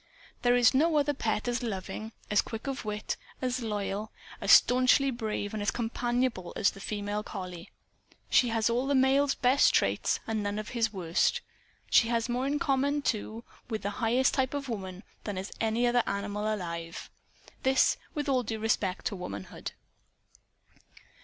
There is no other pet as loving, as quick of wit, as loyal, as staunchly brave and as companionable as the female collie. She has all the male's best traits and none of his worst. She has more in common, too, with the highest type of woman than has any other animal alive. (This, with all due respect to womanhood.)